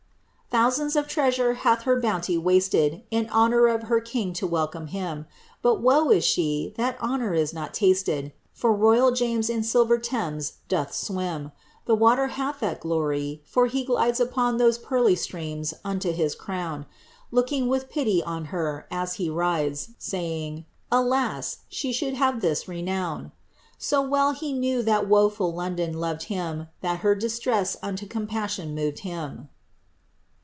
Thousands of treasure hath her bounty watted, In honour of her king to welcome him ; But woe is she 1 that honour is not tasted, For royal James in silver Thames doth swim. The water hath that glory — for he glides Upon those pearly streams unto his crown. Looking with pity on her, as he ridet, Saying, 'Alas I she should have this renown I* So well he knew that woeful London loved him That her distress unto compassion moved him."